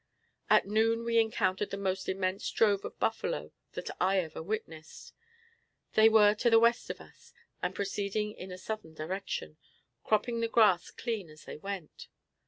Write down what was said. At noon we encountered the most immense drove of buffaloes that I ever witnessed. They were to the west of us, and proceeding in a southern direction, cropping the grass clean as they went.